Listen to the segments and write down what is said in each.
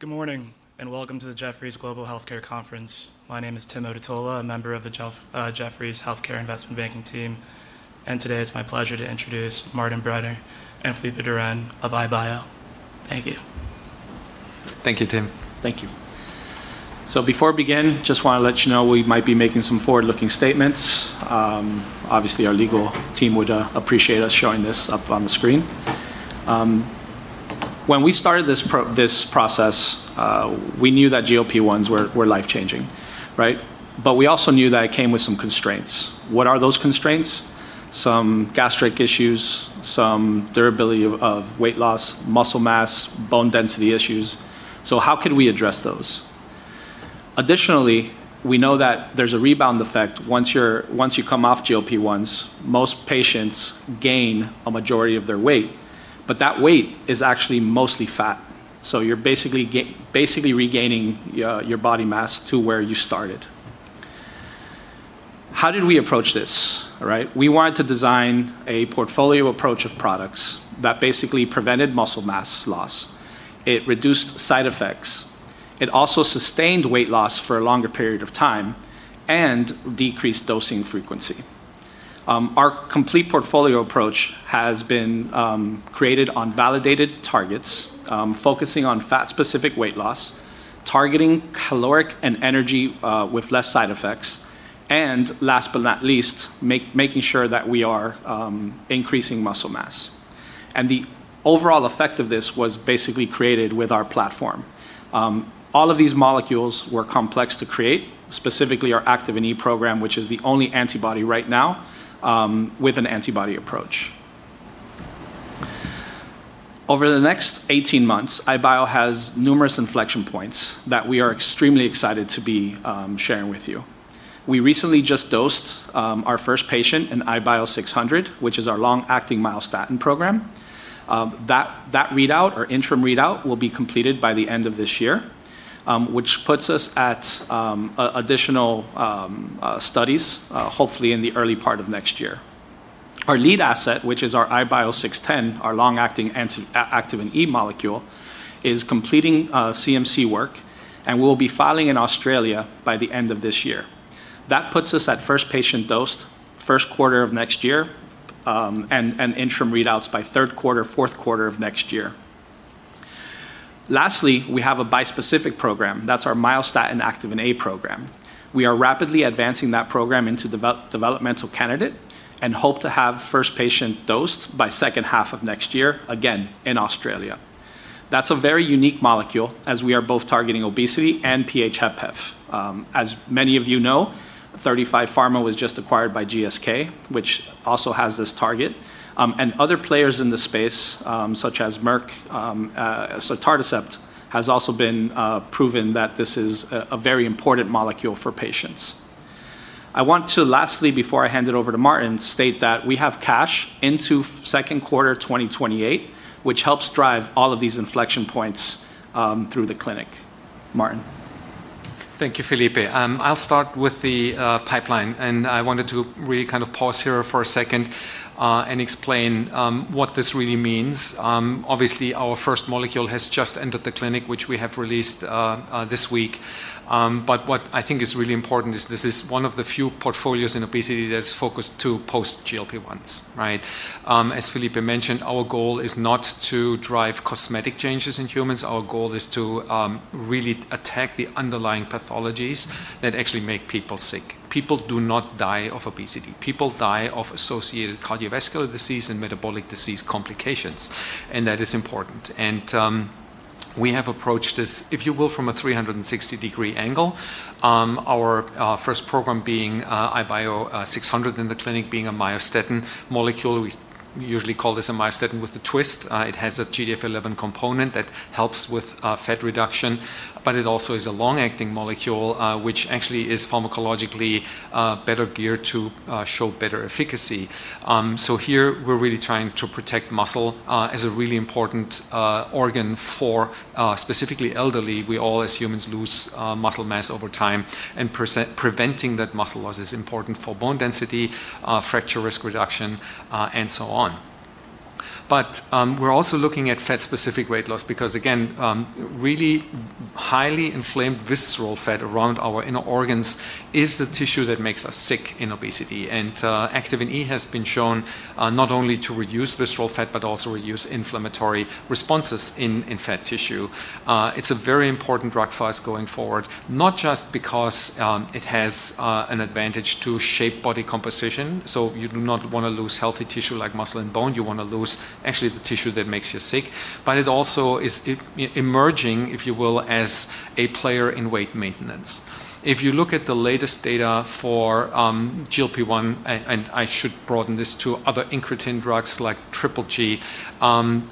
Good morning, and welcome to the Jefferies Global Healthcare Conference. My name is Tim Odutola, a member of the Jefferies Healthcare Investment Banking team. Today it's my pleasure to introduce Martin Brenner and Felipe Duran of iBio. Thank you. Thank you, Tim. Thank you. Before we begin, just want to let you know we might be making some forward-looking statements. Obviously, our legal team would appreciate us showing this up on the screen. When we started this process, we knew that GLP-1s were life-changing. We also knew that it came with some constraints. What are those constraints? Some gastric issues, some durability of weight loss, muscle mass, bone density issues. How could we address those? Additionally, we know that there's a rebound effect. Once you come off GLP-1s, most patients gain a majority of their weight, but that weight is actually mostly fat. You're basically regaining your body mass to where you started. How did we approach this? We wanted to design a portfolio approach of products that basically prevented muscle mass loss. It reduced side effects. It also sustained weight loss for a longer period of time and decreased dosing frequency. Our complete portfolio approach has been created on validated targets, focusing on fat-specific weight loss, targeting caloric and energy with less side effects, last but not least, making sure that we are increasing muscle mass. The overall effect of this was basically created with our platform. All of these molecules were complex to create, specifically our activin E program, which is the only antibody right now, with an antibody approach. Over the next 18 months, iBio has numerous inflection points that we are extremely excited to be sharing with you. We recently just dosed our first patient in IBIO-600, which is our long-acting myostatin program. That readout or interim readout will be completed by the end of this year, which puts us at additional studies, hopefully in the early part of next year. Our lead asset, which is our IBIO-610, our long-acting activin E molecule, is completing CMC work and will be filing in Australia by the end of this year. That puts us at first patient dosed first quarter of next year, and interim readouts by third quarter, fourth quarter of next year. Lastly, we have a bispecific program. That's our myostatin activin A program. We are rapidly advancing that program into developmental candidate and hope to have first patient dosed by second half of next year, again, in Australia. That's a very unique molecule, as we are both targeting obesity and PH-HFpEF. As many of you know, 35Pharma was just acquired by GSK, which also has this target. Other players in the space, such as Merck, sotatercept, has also been proven that this is a very important molecule for patients. I want to lastly, before I hand it over to Martin, state that we have cash into second quarter 2028, which helps drive all of these inflection points through the clinic. Martin. Thank you, Felipe. I'll start with the pipeline. I wanted to really kind of pause here for a second and explain what this really means. Obviously, our first molecule has just entered the clinic, which we have released this week. What I think is really important is this is one of the few portfolios in obesity that is focused to post GLP-1s. As Felipe mentioned, our goal is not to drive cosmetic changes in humans. Our goal is to really attack the underlying pathologies that actually make people sick. People do not die of obesity. People die of associated cardiovascular disease and metabolic disease complications. That is important. We have approached this, if you will, from a 360-degree angle. Our first program being IBIO-600 in the clinic being a myostatin molecule. We usually call this a myostatin with a twist. It has a GDF11 component that helps with fat reduction, it also is a long-acting molecule, which actually is pharmacologically better geared to show better efficacy. Here we're really trying to protect muscle as a really important organ for specifically elderly. We all, as humans, lose muscle mass over time, preventing that muscle loss is important for bone density, fracture risk reduction, and so on. We're also looking at fat-specific weight loss because, again, really highly inflamed visceral fat around our inner organs is the tissue that makes us sick in obesity. Activin E has been shown not only to reduce visceral fat but also reduce inflammatory responses in fat tissue. It's a very important drug for us going forward, not just because it has an advantage to shape body composition. You do not want to lose healthy tissue like muscle and bone. You want to lose actually the tissue that makes you sick. It also is emerging, if you will, as a player in weight maintenance. If you look at the latest data for GLP-1, and I should broaden this to other incretin drugs like GIP/GLP/glucagon,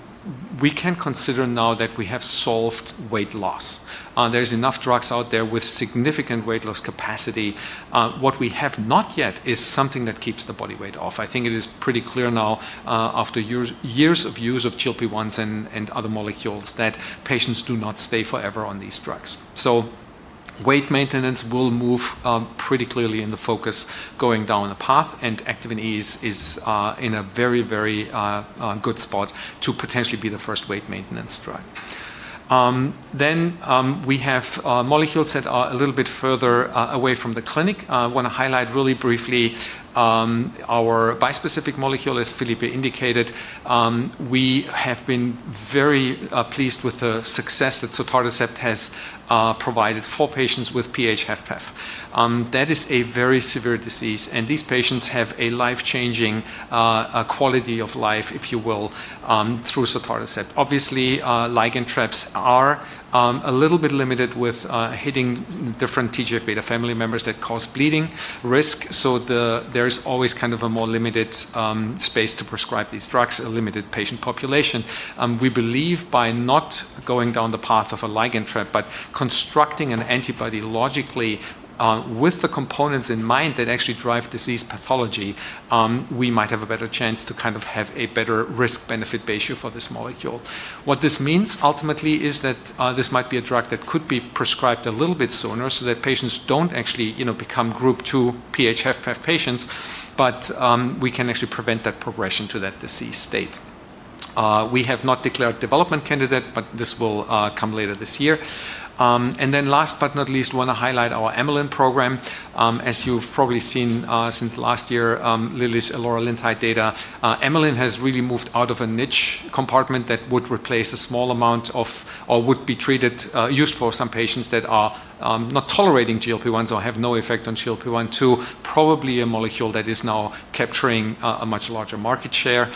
we can consider now that we have solved weight loss. There's enough drugs out there with significant weight loss capacity. What we have not yet is something that keeps the body weight off. I think it is pretty clear now, after years of use of GLP-1s and other molecules, that patients do not stay forever on these drugs. Weight maintenance will move pretty clearly in the focus going down the path, and activin E is in a very good spot to potentially be the first weight maintenance drug. We have molecules that are a little bit further away from the clinic. I want to highlight really briefly our bispecific molecule, as Felipe indicated. We have been very pleased with the success that sotatercept has provided for patients with PH-HFpEF. That is a very severe disease, and these patients have a life-changing quality of life, if you will, through sotatercept. Obviously, ligand traps are a little bit limited with hitting different TGF-beta family members that cause bleeding risk. There is always kind of a more limited space to prescribe these drugs, a limited patient population. We believe by not going down the path of a ligand trap, but constructing an antibody logically with the components in mind that actually drive disease pathology, we might have a better chance to have a better risk-benefit ratio for this molecule. What this means ultimately is that this might be a drug that could be prescribed a little bit sooner so that patients don't actually become Group 2 PH-HFpEF patients, but we can actually prevent that progression to that disease state. We have not declared development candidate, but this will come later this year. Last but not least, want to highlight our amylin program. As you've probably seen since last year, Lilly's eloralintide data, amylin has really moved out of a niche compartment that would replace a small amount of, or would be used for some patients that are not tolerating GLP-1s or have no effect on GLP-1, to probably a molecule that is now capturing a much larger market share.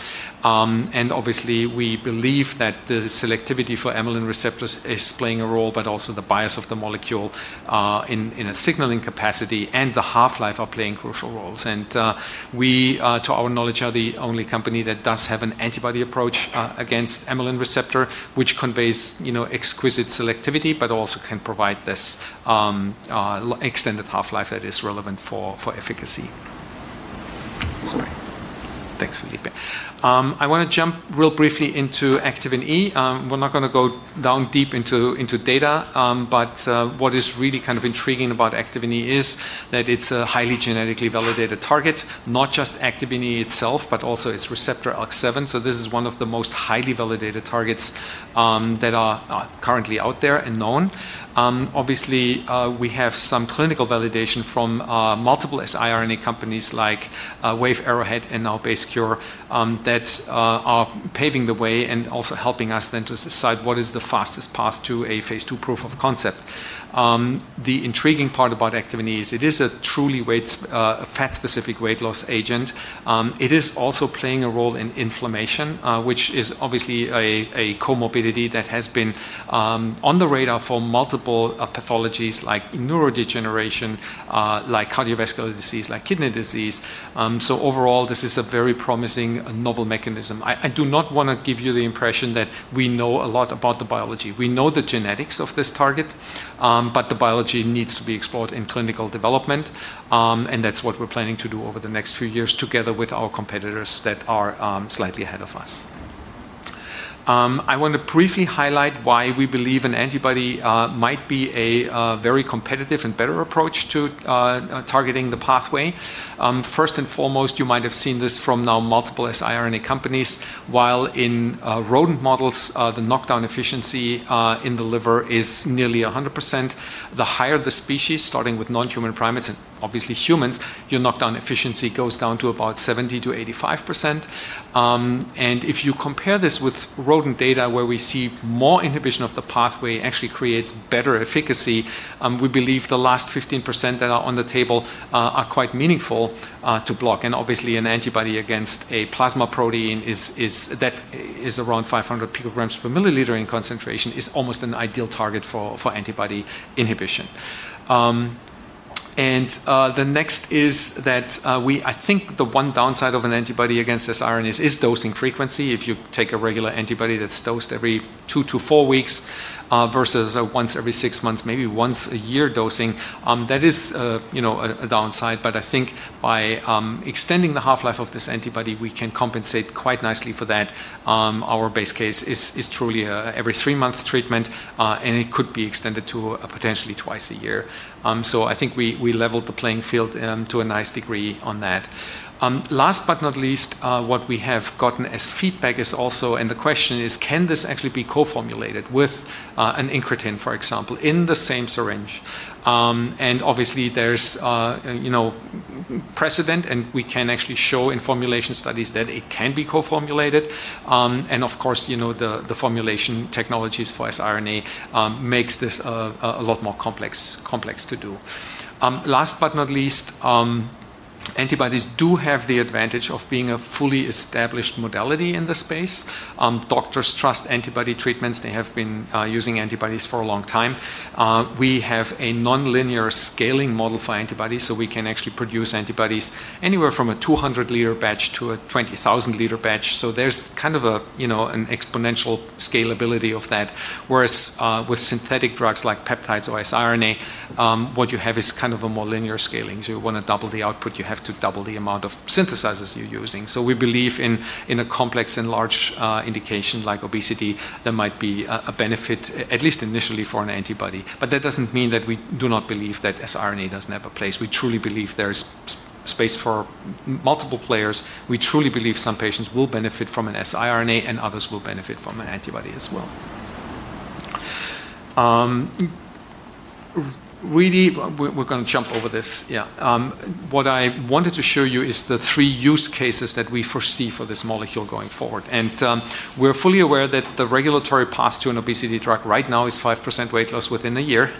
Obviously, we believe that the selectivity for amylin receptors is playing a role, but also the bias of the molecule in a signaling capacity and the half-life are playing crucial roles. We, to our knowledge, are the only company that does have an antibody approach against amylin receptor, which conveys exquisite selectivity, but also can provide this extended half-life that is relevant for efficacy. Sorry. Thanks, Felipe. I want to jump real briefly into activin E. We're not going to go down deep into data, but what is really kind of intriguing about activin E is that it's a highly genetically validated target, not just activin E itself, but also its receptor ALK7. This is one of the most highly validated targets that are currently out there and known. Obviously, we have some clinical validation from multiple siRNA companies like Wave, Arrowhead, and now Base Cure, that are paving the way and also helping us then to decide what is the fastest path to a phase II proof of concept. The intriguing part about activin E is it is a truly fat-specific weight loss agent. It is also playing a role in inflammation, which is obviously a comorbidity that has been on the radar for multiple pathologies like neurodegeneration, like cardiovascular disease, like kidney disease. Overall, this is a very promising novel mechanism. I do not want to give you the impression that we know a lot about the biology. We know the genetics of this target, but the biology needs to be explored in clinical development, and that is what we are planning to do over the next few years together with our competitors that are slightly ahead of us. I want to briefly highlight why we believe an antibody might be a very competitive and better approach to targeting the pathway. First and foremost, you might have seen this from now multiple siRNA companies. While in rodent models, the knockdown efficiency in the liver is nearly 100%, the higher the species, starting with non-human primates and obviously humans, your knockdown efficiency goes down to about 70%-85%. If you compare this with rodent data where we see more inhibition of the pathway actually creates better efficacy, we believe the last 15% that are on the table are quite meaningful to block. Obviously, an antibody against a plasma protein that is around 500 picograms per milliliter in concentration is almost an ideal target for antibody inhibition. The next is that I think the one downside of an antibody against this RNA is dosing frequency. If you take a regular antibody that's dosed every 2 to 4 weeks versus once every 6 months, maybe once a 1 year dosing, that is a downside. I think by extending the half-life of this antibody, we can compensate quite nicely for that. Our base case is truly every 3-month treatment, and it could be extended to potentially twice a year. I think we leveled the playing field to a nice degree on that. Last but not least, what we have gotten as feedback is also, and the question is: Can this actually be co-formulated with an incretin, for example, in the same syringe? Obviously, there's precedent, and we can actually show in formulation studies that it can be co-formulated. Of course, the formulation technologies for siRNA makes this a lot more complex to do. Last but not least, antibodies do have the advantage of being a fully established modality in the space. Doctors trust antibody treatments. They have been using antibodies for a long time. We have a nonlinear scaling model for antibodies, so we can actually produce antibodies anywhere from a 200-liter batch to a 20,000-liter batch. There's kind of an exponential scalability of that. Whereas with synthetic drugs like peptides or siRNA, what you have is kind of a more linear scaling. You want to double the output, you have to double the amount of synthesizers you're using. We believe in a complex and large indication like obesity, there might be a benefit, at least initially, for an antibody. That doesn't mean that we do not believe that siRNA doesn't have a place. We truly believe there is space for multiple players. We truly believe some patients will benefit from an siRNA and others will benefit from an antibody as well. We're going to jump over this, yeah. What I wanted to show you is the three use cases that we foresee for this molecule going forward. We're fully aware that the regulatory path to an obesity drug right now is 5% weight loss within a year.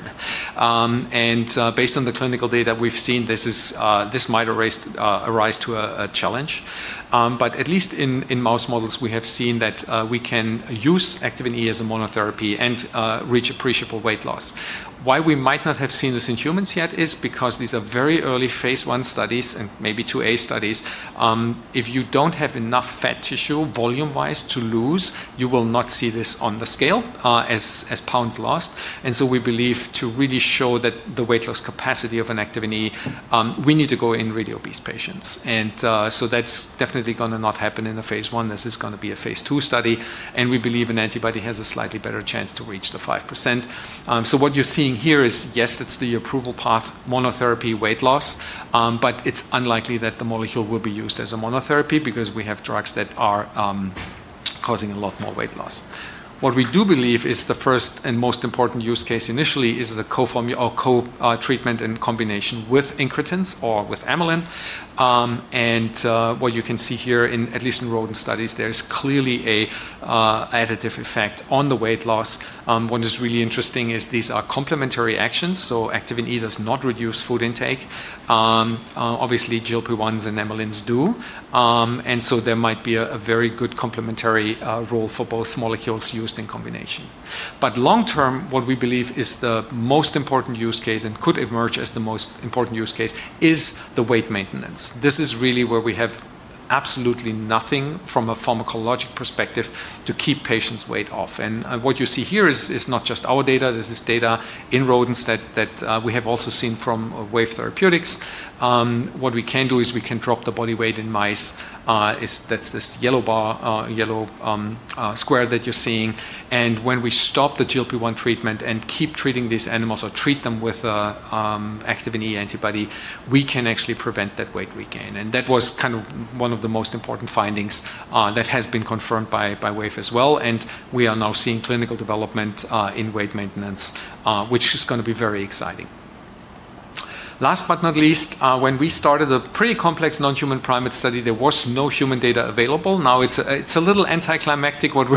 Based on the clinical data we've seen, this might arise to a challenge. At least in mouse models, we have seen that we can use activin E as a monotherapy and reach appreciable weight loss. Why we might not have seen this in humans yet is because these are very early phase I studies and maybe 2A studies. If you don't have enough fat tissue volume-wise to lose, you will not see this on the scale as pounds lost. We believe to really show the weight loss capacity of an activin E, we need to go in radio obese patients. That's definitely going to not happen in a phase I. This is going to be a phase II study, and we believe an antibody has a slightly better chance to reach the 5%. What you're seeing here is, yes, it's the approval path, monotherapy weight loss, but it's unlikely that the molecule will be used as a monotherapy because we have drugs that are causing a lot more weight loss. What we do believe is the first and most important use case initially is the co-treatment in combination with incretins or with amylin. What you can see here, at least in rodent studies, there is clearly an additive effect on the weight loss. What is really interesting is these are complementary actions, so activin E does not reduce food intake. Obviously, GLP-1s and amylins do. So there might be a very good complementary role for both molecules used in combination. Long term, what we believe is the most important use case and could emerge as the most important use case is the weight maintenance. This is really where we have absolutely nothing from a pharmacologic perspective to keep patients' weight off. What you see here is not just our data, this is data in rodents that we have also seen from Wave Life Sciences. What we can do is we can drop the body weight in mice. That's this yellow square that you're seeing. When we stop the GLP-1 treatment and keep treating these animals or treat them with activin A antibody, we can actually prevent that weight regain. That was kind of one of the most important findings that has been confirmed by Wave as well. We are now seeing clinical development in weight maintenance, which is going to be very exciting. Last but not least, when we started a pretty complex non-human primate study, there was no human data available. Now, it's a little anticlimactic what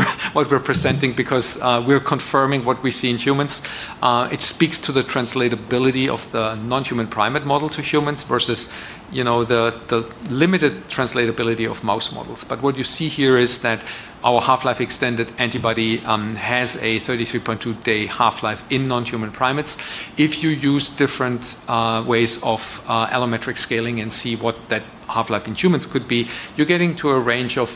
we're presenting because we're confirming what we see in humans. It speaks to the translatability of the non-human primate model to humans versus the limited translatability of mouse models. What you see here is that our half-life extended antibody has a 33.2-day half-life in non-human primates. If you use different ways of allometric scaling and see what that half-life in humans could be, you're getting to a range of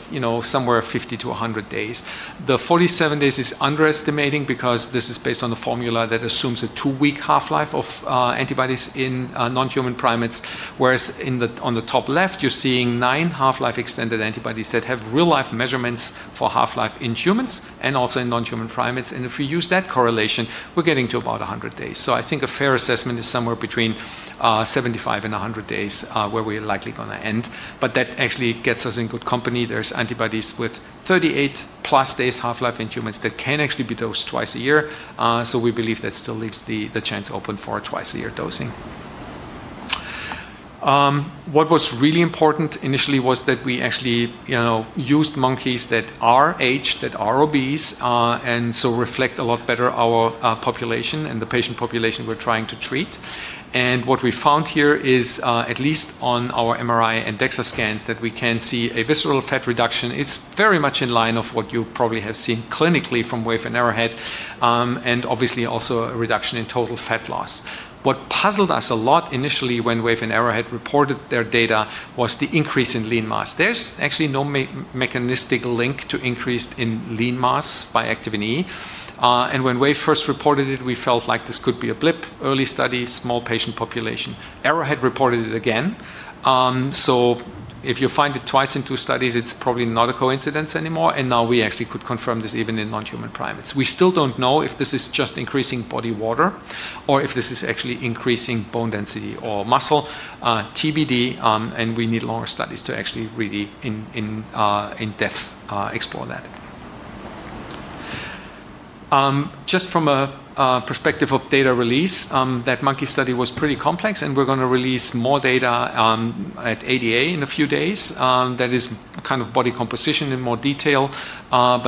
somewhere 50-100 days. The 47 days is underestimating because this is based on the formula that assumes a two-week half-life of antibodies in non-human primates, whereas on the top left, you're seeing nine half-life extended antibodies that have real-life measurements for half-life in humans and also in non-human primates. If we use that correlation, we're getting to about 100 days. I think a fair assessment is somewhere between 75 and 100 days where we're likely going to end. That actually gets us in good company. There's antibodies with 38-plus days half-life in humans that can actually be dosed twice a year. We believe that still leaves the chance open for twice-a-year dosing. What was really important initially was that we actually used monkeys that are aged, that are obese, and so reflect a lot better our population and the patient population we're trying to treat. What we found here is, at least on our MRI and DEXA scans, that we can see a visceral fat reduction. It's very much in line of what you probably have seen clinically from Wave and Arrowhead, and obviously also a reduction in total fat loss. What puzzled us a lot initially when Wave and Arrowhead reported their data was the increase in lean mass. There's actually no mechanistic link to increase in lean mass by activin E. When Wave first reported it, we felt like this could be a blip, early study, small patient population. Arrow had reported it again. If you find it twice in two studies, it's probably not a coincidence anymore. Now we actually could confirm this even in non-human primates. We still don't know if this is just increasing body water or if this is actually increasing bone density or muscle. TBD, and we need longer studies to actually really in-depth explore that. Just from a perspective of data release, that monkey study was pretty complex, and we're going to release more data at ADA in a few days. That is kind of body composition in more detail. At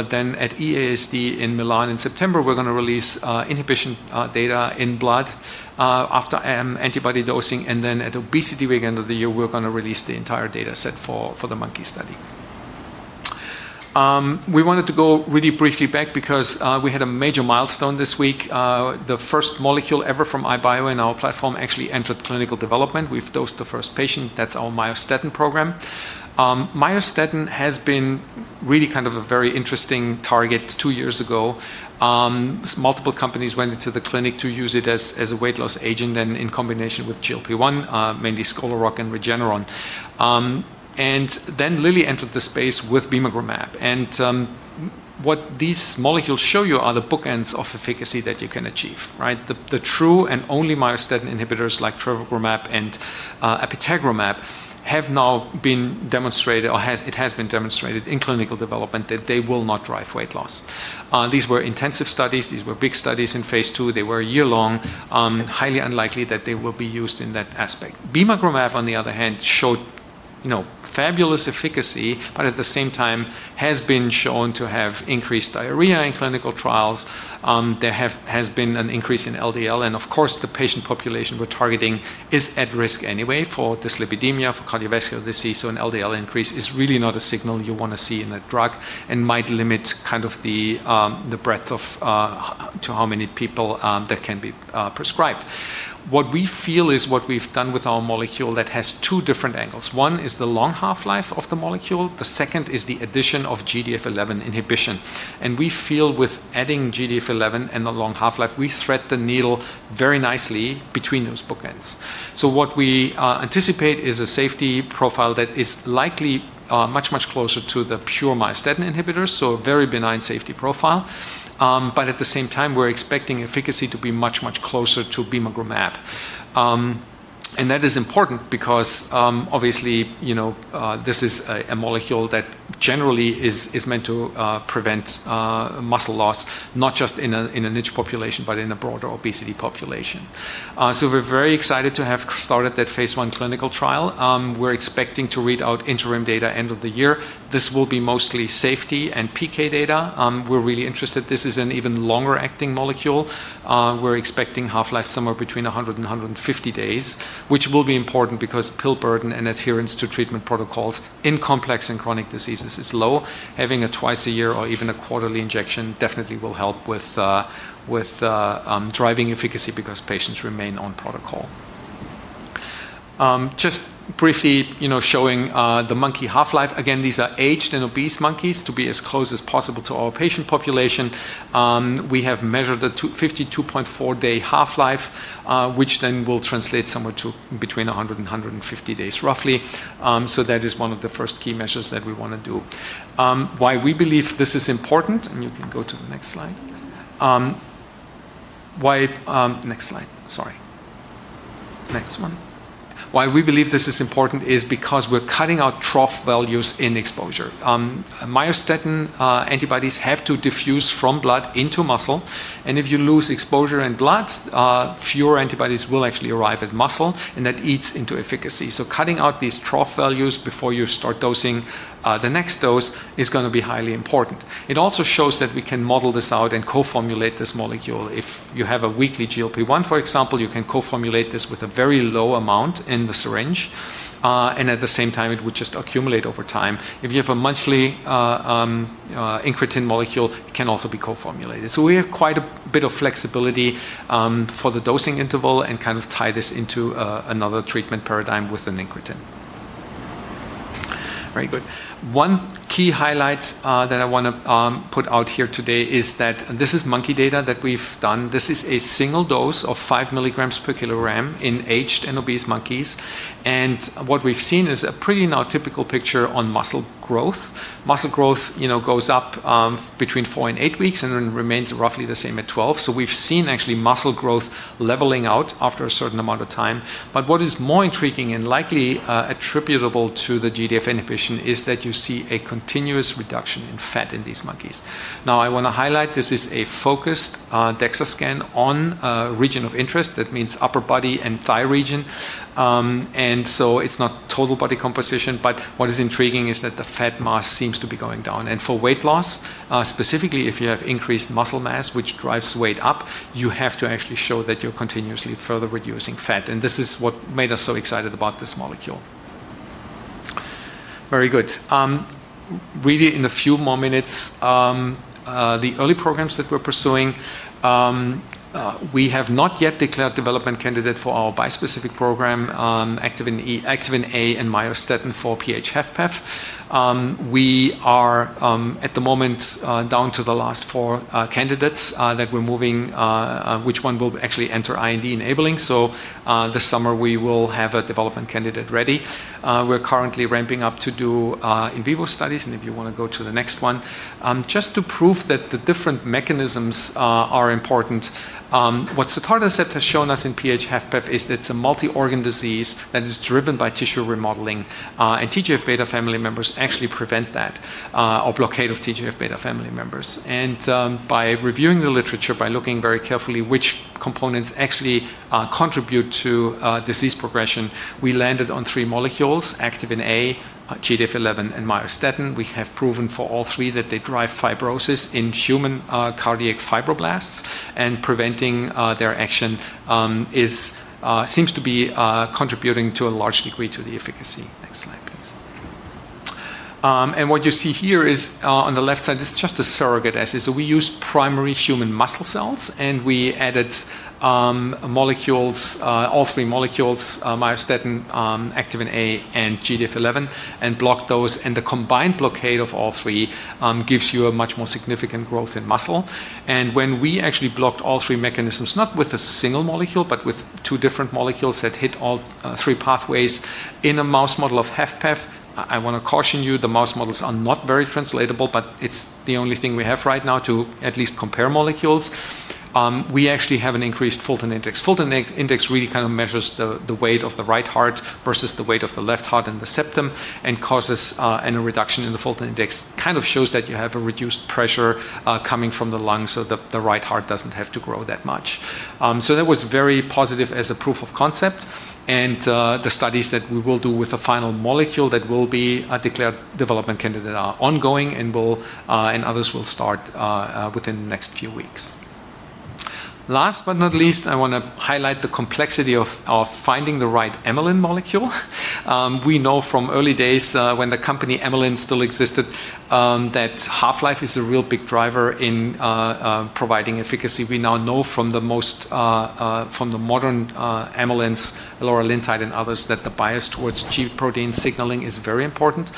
EASD in Milan in September, we're going to release inhibition data in blood after antibody dosing. At ObesityWeek end of the year, we're going to release the entire data set for the monkey study. We wanted to go really briefly back because we had a major milestone this week. The first molecule ever from iBio in our platform actually entered clinical development. We've dosed the first patient. That's our myostatin program. Myostatin has been really kind of a very interesting target two years ago. Multiple companies went into the clinic to use it as a weight loss agent in combination with GLP-1, mainly Scholar Rock and Regeneron. Lilly entered the space with bimagrumab. What these molecules show you are the bookends of efficacy that you can achieve, right? The true and only myostatin inhibitors like trevogrumab and apitegromab have now been demonstrated, or it has been demonstrated in clinical development that they will not drive weight loss. These were intensive studies. These were big studies in phase II. They were a year long. Highly unlikely that they will be used in that aspect. bimagrumab, on the other hand, showed fabulous efficacy, but at the same time has been shown to have increased diarrhea in clinical trials. There has been an increase in LDL, and of course, the patient population we're targeting is at risk anyway for dyslipidemia, for cardiovascular disease. An LDL increase is really not a signal you want to see in a drug and might limit the breadth to how many people that can be prescribed. What we feel is what we've done with our molecule that has two different angles. One is the long half-life of the molecule. The second is the addition of GDF11 inhibition. We feel with adding GDF11 and the long half-life, we thread the needle very nicely between those bookends. What we anticipate is a safety profile that is likely much, much closer to the pure myostatin inhibitors, a very benign safety profile. At the same time, we're expecting efficacy to be much, much closer to bimagrumab. That is important because, obviously, this is a molecule that generally is meant to prevent muscle loss, not just in a niche population, but in a broader obesity population. We're very excited to have started that phase I clinical trial. We're expecting to read out interim data end of the year. This will be mostly safety and PK data. We're really interested. This is an even longer-acting molecule. We're expecting half-life somewhere between 100 and 150 days, which will be important because pill burden and adherence to treatment protocols in complex and chronic diseases is low. Having a twice-a-year or even a quarterly injection definitely will help with driving efficacy because patients remain on protocol. Just briefly, showing the monkey half-life. Again, these are aged and obese monkeys to be as close as possible to our patient population. We have measured the 52.4-day half-life, which then will translate somewhere to between 100 and 150 days roughly. That is one of the first key measures that we want to do. Why we believe this is important, and you can go to the next slide. Next slide. Sorry. Next one. Why we believe this is important is because we're cutting out trough values in exposure. myostatin antibodies have to diffuse from blood into muscle, and if you lose exposure in blood, fewer antibodies will actually arrive at muscle, and that eats into efficacy. Cutting out these trough values before you start dosing the next dose is going to be highly important. It also shows that we can model this out and co-formulate this molecule. If you have a weekly GLP-1, for example, you can co-formulate this with a very low amount in the syringe, and at the same time, it would just accumulate over time. If you have a monthly incretin molecule, it can also be co-formulated. We have quite a bit of flexibility for the dosing interval and kind of tie this into another treatment paradigm with an incretin. Very good. One key highlight that I want to put out here today is that this is monkey data that we've done. This is a single dose of five milligrams per kilogram in aged and obese monkeys. What we've seen is a pretty now typical picture on muscle growth. Muscle growth goes up between four and eight weeks and then remains roughly the same at 12. We've seen actually muscle growth leveling out after a certain amount of time. What is more intriguing and likely attributable to the GDF inhibition is that you see a continuous reduction in fat in these monkeys. Now, I want to highlight this is a focused DEXA scan on a region of interest. That means upper body and thigh region. It's not total body composition, but what is intriguing is that the fat mass seems to be going down. For weight loss, specifically if you have increased muscle mass, which drives weight up, you have to actually show that you're continuously further reducing fat. This is what made us so excited about this molecule. Very good. Really in a few more minutes, the early programs that we're pursuing, we have not yet declared development candidate for our bispecific program, activin A and myostatin for PAH, HFpEF. We are at the moment down to the last four candidates that we're moving, which one will actually enter IND enabling. This summer, we will have a development candidate ready. We're currently ramping up to do in vivo studies, if you want to go to the next one. Just to prove that the different mechanisms are important. What sotatercept has shown us in PAH HFpEF is that it's a multi-organ disease that is driven by tissue remodeling, and TGF-beta family members actually prevent that, or blockade of TGF-beta family members. By reviewing the literature, by looking very carefully which components actually contribute to disease progression, we landed on three molecules, activin A, GDF11, and myostatin. We have proven for all three that they drive fibrosis in human cardiac fibroblasts, and preventing their action seems to be contributing to a large degree to the efficacy. Next slide, please. What you see here is on the left side, this is just a surrogate assay. We use primary human muscle cells, and we added all three molecules, myostatin, activin A, and GDF11, and blocked those. The combined blockade of all three gives you a much more significant growth in muscle. When we actually blocked all three mechanisms, not with a single molecule, but with two different molecules that hit all three pathways in a mouse model of HFpEF. I want to caution you, the mouse models are not very translatable, but it's the only thing we have right now to at least compare molecules. We actually have an increased Fulton index. Fulton index really measures the weight of the right heart versus the weight of the left heart and the septum, and causes a reduction in the Fulton index. Kind of shows that you have a reduced pressure coming from the lungs so the right heart doesn't have to grow that much. That was very positive as a proof of concept, and the studies that we will do with the final molecule that will be a declared development candidate are ongoing and others will start within the next few weeks. Last but not least, I want to highlight the complexity of finding the right amylin molecule. We know from early days, when the company Amylin still existed, that half-life is a real big driver in providing efficacy. We now know from the modern amylins, lorcaserin and others, that the bias towards G protein signaling is very important.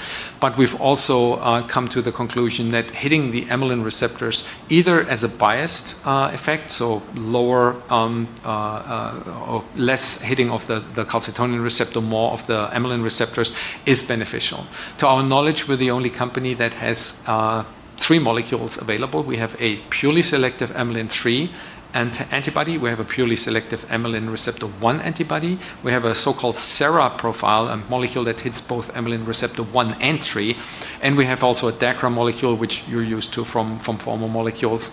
We've also come to the conclusion that hitting the amylin receptors, either as a biased effect, so lower or less hitting of the calcitonin receptor, more of the amylin receptors, is beneficial. To our knowledge, we're the only company that has three molecules available. We have a purely selective amylin 3 antibody. We have a purely selective amylin receptor 1 antibody. We have a so-called SARA profile, a molecule that hits both amylin receptor 1 and three. We have also a DACRA molecule, which you're used to from former molecules.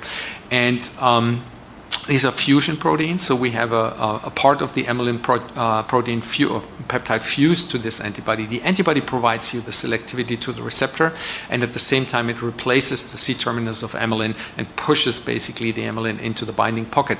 These are fusion proteins, so we have a part of the amylin protein peptide fused to this antibody. The antibody provides you the selectivity to the receptor, and at the same time, it replaces the C-terminus of amylin and pushes basically the amylin into the binding pocket.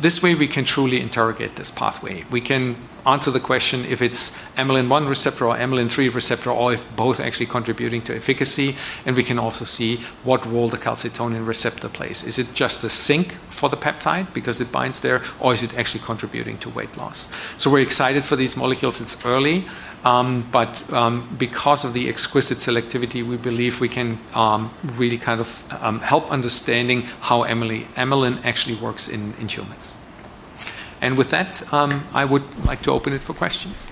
This way, we can truly interrogate this pathway. We can answer the question if it's amylin receptor 1 or amylin receptor 3, or if both actually contributing to efficacy, and we can also see what role the calcitonin receptor plays. Is it just a sink for the peptide because it binds there, or is it actually contributing to weight loss? We're excited for these molecules. It's early. Because of the exquisite selectivity, we believe we can really help understanding how amylin actually works in humans. With that, I would like to open it for questions.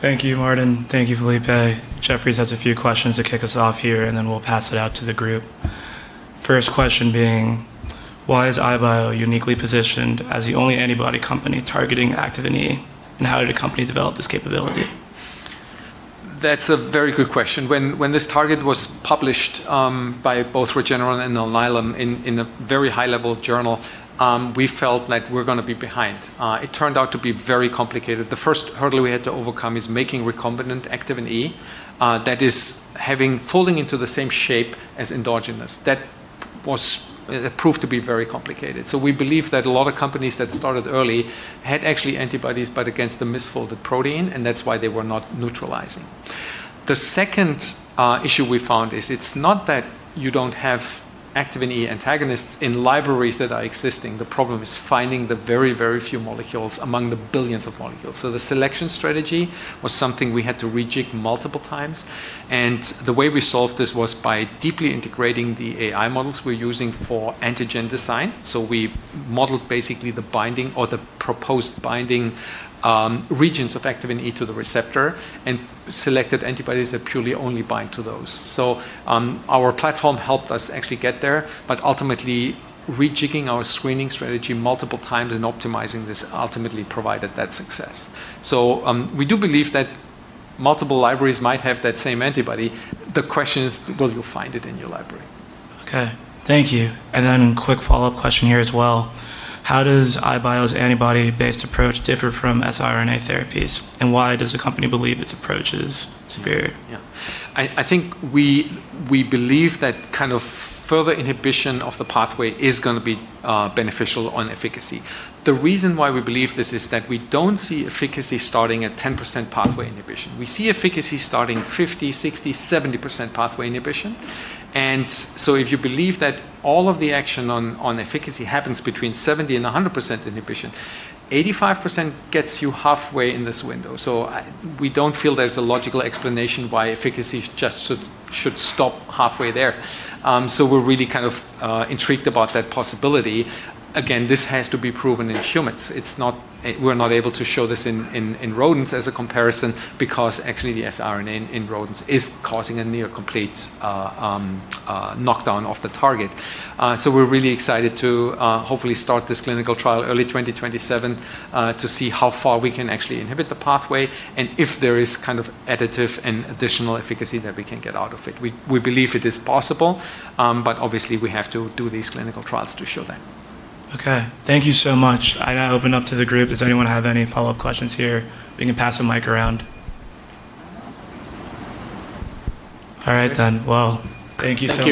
Thank you, Martin. Thank you, Felipe. Jefferies has a few questions to kick us off here, and then we'll pass it out to the group. First question being, why is iBio uniquely positioned as the only antibody company targeting activin A, and how did the company develop this capability? That's a very good question. When this target was published by both Regeneron and Eli Lilly in a very high-level journal, we felt like we're going to be behind. It turned out to be very complicated. The first hurdle we had to overcome is making recombinant activin A that is falling into the same shape as endogenous. That proved to be very complicated. We believe that a lot of companies that started early had actually antibodies, but against the misfolded protein, and that's why they were not neutralizing. The second issue we found is it's not that you don't have activin A antagonists in libraries that are existing. The problem is finding the very, very few molecules among the billions of molecules. The selection strategy was something we had to rejig multiple times, and the way we solved this was by deeply integrating the AI models we're using for antigen design. We modeled basically the binding or the proposed binding regions of activin A to the receptor and selected antibodies that purely only bind to those. Our platform helped us actually get there, but ultimately, rejigging our screening strategy multiple times and optimizing this ultimately provided that success. We do believe that multiple libraries might have that same antibody. The question is will you find it in your library. Okay. Thank you. Quick follow-up question here as well. How does iBio's antibody-based approach differ from siRNA therapies, and why does the company believe its approach is superior? Yeah. I think we believe that further inhibition of the pathway is going to be beneficial on efficacy. The reason why we believe this is that we don't see efficacy starting at 10% pathway inhibition. We see efficacy starting 50%, 60%, 70% pathway inhibition. If you believe that all of the action on efficacy happens between 70% and 100% inhibition, 85% gets you halfway in this window. We don't feel there's a logical explanation why efficacy just should stop halfway there. We're really intrigued about that possibility. Again, this has to be proven in humans. We're not able to show this in rodents as a comparison because actually the siRNA in rodents is causing a near complete knockdown of the target. We're really excited to hopefully start this clinical trial early 2027 to see how far we can actually inhibit the pathway and if there is additive and additional efficacy that we can get out of it. We believe it is possible, but obviously we have to do these clinical trials to show that. Okay. Thank you so much. I now open up to the group. Does anyone have any follow-up questions here? We can pass the mic around. All right then. Well, thank you so much